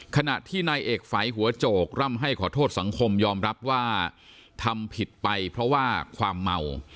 ขณะที่นายเอกฝัยหัวโจกร่ำให้ขอโทษสังคมยอมรับว่าทำผิดไปเพราะว่าความเมา